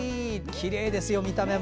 きれいですよ見た目も。